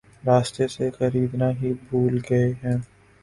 راستے سے خریدنا ہی بھول گئے ہیں